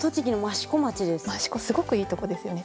私は益子すごくいいとこですよね。